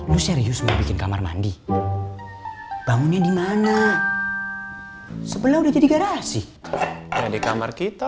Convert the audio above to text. lu serius mau bikin kamar mandi bangunnya dimana sebelah udah jadi garasi ada di kamar kita